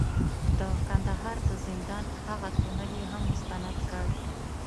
د کندهار د زندان هغه تونل یې هم مستند کړ،